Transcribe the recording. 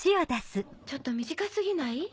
ちょっと短か過ぎない？